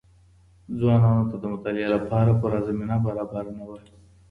ځوانانو ته د مطالعې لپاره پوره زمينه برابره نه وه.